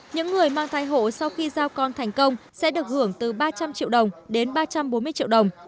những người mang thai hộ sau khi giao con thành công sẽ được hưởng từ ba trăm linh triệu đồng đến ba trăm bốn mươi triệu đồng